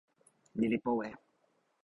ni li powe.